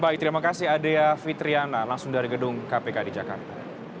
baik terima kasih adea fitriana langsung dari gedung kpk di jakarta